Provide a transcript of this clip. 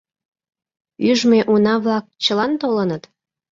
— Ӱжмӧ уна-влак чылан толыныт?